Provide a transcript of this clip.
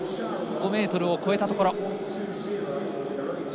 ５ｍを超えたところ。